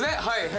はい。